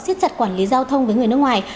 siết chặt quản lý giao thông với người nước ngoài